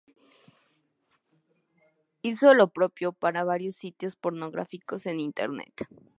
Hizo lo propio para varios sitios pornográficos en internet.